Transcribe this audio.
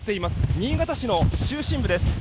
新潟市の中心部です。